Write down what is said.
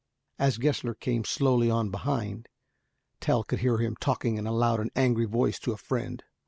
As Gessler came slowly on behind, Tell could hear him talking in a loud and angry voice to a friend.